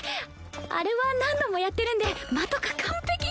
あれは何度もやってるんで間とか完璧に。